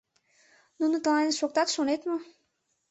— Нуно тыланет шоктат, шонет мо?